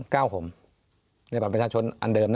เก้าผมในบัตรประชาชนอันเดิมนะ